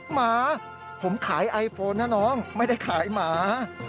หมาผมขายไอโฟนนะน้องไม่ได้ขายหมา